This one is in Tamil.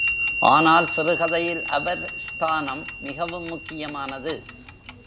ஆனால் சிறுகதையில் அவர் ஸ்தானம் மிகவும் முக்கியமானது.